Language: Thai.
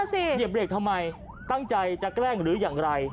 เหยียบเบรกทำไมตั้งใจจะแกล้งหรืออย่างไร